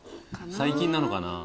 最近なのかな？